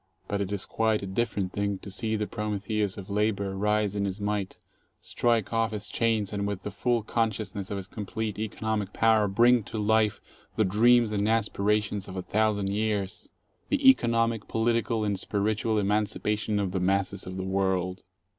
But it is quite a different thing to see the Prometheus of labor rise in his might, strike off his chains, and with the full consciousness of his complete economic power bring to life the dreams and aspirations of a thou sand years, — the economic, political, and spiritual emancipation of the masses of the world.